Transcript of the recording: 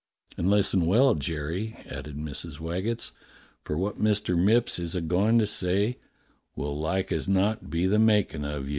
"And listen well, Jerry," added Mrs. Waggetts, "for what Mister !Mipps is a goin' to say will like as not be the makin' of you."